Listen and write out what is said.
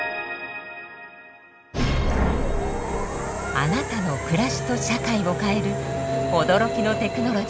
あなたの暮らしと社会を変える驚きのテクノロジー。